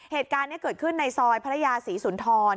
เหตุการณ์นี้เกิดขึ้นในซอยพระยาศรีสุนทร